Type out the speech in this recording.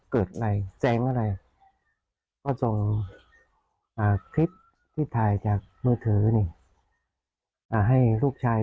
เกิดอะไรแสงอะไรก็ส่งคลิปที่ถ่ายจากมือถือให้ลูกชาย